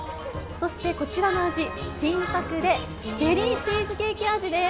そして、こちらの味、新作で、ベリーチーズケーキ味です。